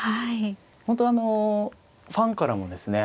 本当ファンからもですね